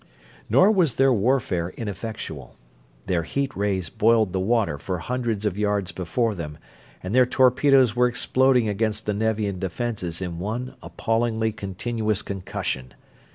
Nor was their warfare ineffectual. Their heat rays boiled the water for hundreds of yards before them and their torpedoes were exploding against the Nevian defenses in one appallingly continuous concussion.